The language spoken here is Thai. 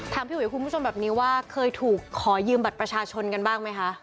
พี่อุ๋ยคุณผู้ชมแบบนี้ว่าเคยถูกขอยืมบัตรประชาชนกันบ้างไหมคะ